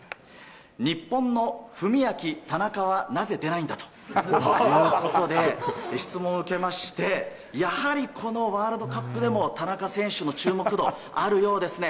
日本のフミアキ・タナカはなぜ出ないんだということで質問を受けましてやはりこのワールドカップでも田中選手の注目度はあるようですね。